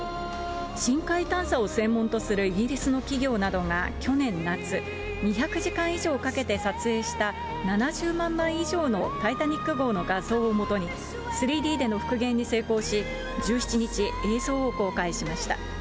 深海探査を専門とするイギリスの企業などが去年夏、２００時間以上かけて撮影した７０万枚以上のタイタニック号の画像をもとに、３Ｄでの復元に成功し、１７日、映像を公開しました。